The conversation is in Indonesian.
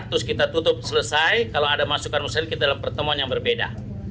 terus kita tutup selesai kalau ada masukan masukan kita dalam pertemuan yang berbeda